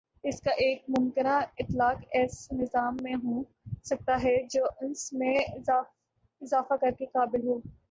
اس کا ایک ممکنہ اطلاق ایس نظام میں ہو سکتا ہے جو انس میں اضافہ کر کے قابل ہو